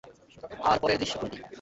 আর পরের দৃশ্য কোনটি?